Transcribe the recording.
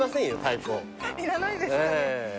いらないですかね？